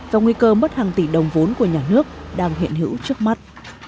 và nguy cơ mất hàng tỷ đồng vốn của nhà nước đang hiện hữu trước mắt